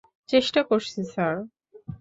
চেষ্টা করছি, স্যার।